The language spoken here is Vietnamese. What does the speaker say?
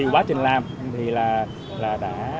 quá trình làm thì đã